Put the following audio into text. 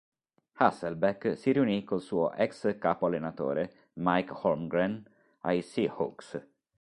Hasselbeck si riunì col suo ex capo-allenatore Mike Holmgren ai Seahawks.